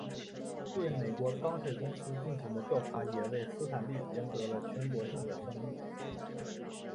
对美国钢铁公司进行的调查也为斯坦利赢得了全国性的声誉。